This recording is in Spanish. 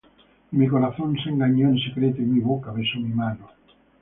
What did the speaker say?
Y mi corazón se engañó en secreto, Y mi boca besó mi mano: